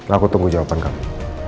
aku tunggu jawaban kamu